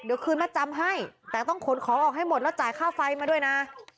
เดี๋ยวคืนมัดจำให้แต่ต้องขนของออกให้หมดแล้วจ่ายค่าไฟมาด้วยนะ